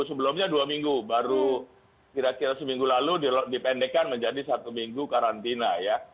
sebelumnya dua minggu baru kira kira seminggu lalu dipendekan menjadi satu minggu karantina ya